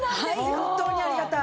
本当にありがたい。